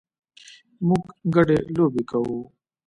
موږ ګډه لوبې کوو